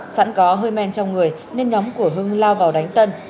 sẵn có hơi men trong người nên nhóm của hưng lao vào đánh tân